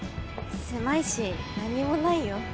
狭いし何もないよ。